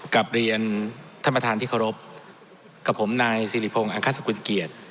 กับเดือนท่านประทานที่เคารพกับผมนายสิริพงอังคัตสุขุนเกียจ